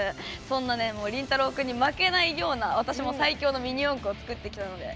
そんなねリンタロウ君に負けないような私も最強のミニ四駆を作ってきたので。